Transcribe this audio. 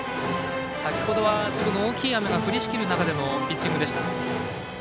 先ほどは粒の大きい雨が降りしきる中でのピッチングでした。